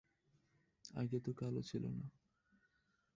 আগে তো কালো ছিল না।